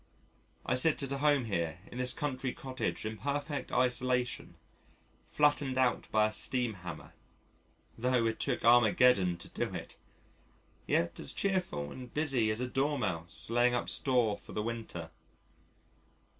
I sit at home here in this country cottage in perfect isolation flattened out by a steam hammer (tho' it took Armageddon to do it!), yet as cheerful and busy as a Dormouse laying up store for the winter.